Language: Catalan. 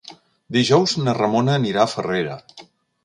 Dijous na Ramona anirà a Farrera.